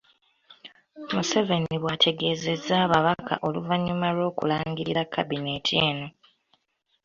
Museveni bw’ategeezezza ababaka oluvannyuma lw’okulangirira kabineeti eno.